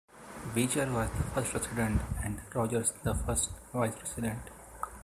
Beecher was the first president and Rogers the first vice-president.